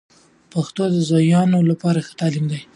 پښتو د زویانو لپاره ښه تعلیم دی.